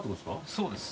そうです。